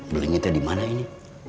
beli nih teh dimana ini